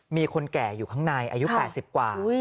มีคนแก่อยู่ข้างในอายุแปดสิบกว่าอุ้ย